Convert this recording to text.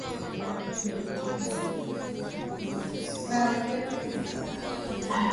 tunaangazia juu ya upigwaji marufuku wa baadhi za dawa